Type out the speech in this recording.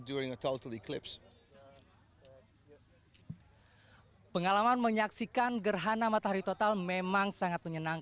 jadi perasaan kosmos itu sangat istimewa yang anda miliki di ruang